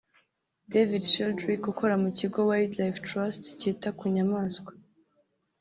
David Sheldrick ukora mu kigo Wildlife Trust cyita kunyamaswa